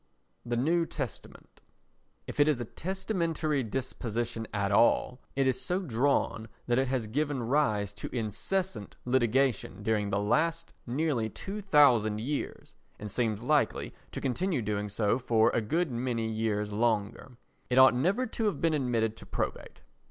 The New Testament If it is a testamentary disposition at all, it is so drawn that it has given rise to incessant litigation during the last nearly two thousand years and seems likely to continue doing so for a good many years longer. It ought never to have been admitted to probate.